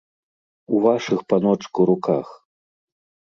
У вашых, паночку, руках.